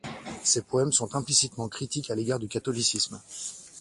Ces poèmes sont implicitement critiques à l'égard du catholicisme.